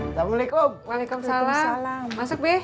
assalamualaikum waalaikumsalam masuk be